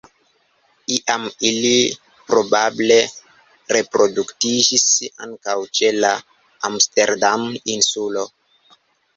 Iam ili probable reproduktiĝis ankaŭ ĉe la Amsterdam-Insulo.